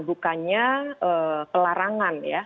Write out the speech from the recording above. bukannya kelarangan ya